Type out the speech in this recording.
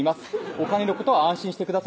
「お金のことは安心してください」